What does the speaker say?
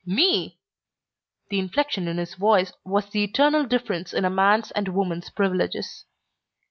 "Me?" The inflection in his voice was the eternal difference in a man's and woman's privileges.